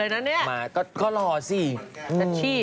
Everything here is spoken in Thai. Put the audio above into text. มีหล่อคนเลยนะนี่